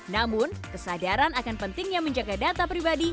namun kesadaran akan pentingnya menjaga data pribadi